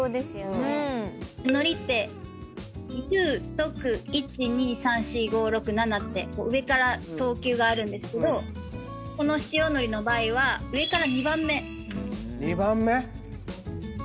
のりって優特一二三四五六七って上から等級があるんですけどこの塩のりの場合は上から２番目。